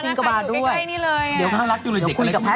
เดี๋ยวคุยกับแพทตอนนี้มีเรื่องต้องคุยเยอะ